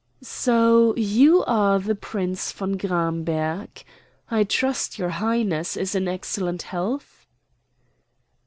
"So you are the Prince von Gramberg. I trust your Highness is in excellent health."